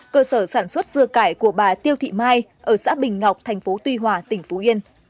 cơ sở sản xuất dưa cải của bà tiêu thị mai ở xã bình ngọc thành phố tuy hòa tỉnh phú yên